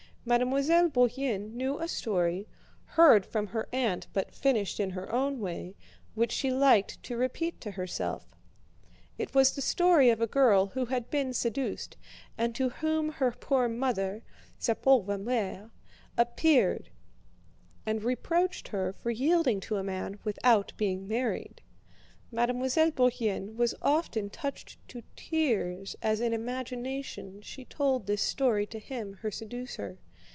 Mademoiselle Bourienne knew a story, heard from her aunt but finished in her own way, which she liked to repeat to herself. It was the story of a girl who had been seduced, and to whom her poor mother (sa pauvre mère) appeared, and reproached her for yielding to a man without being married. Mademoiselle Bourienne was often touched to tears as in imagination she told this story to him, her seducer.